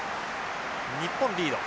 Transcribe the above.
日本リード。